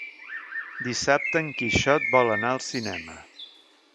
Dissabte en Quixot vol anar al cinema.